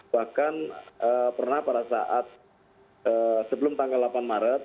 bahkan pernah pada saat sebelum tanggal delapan maret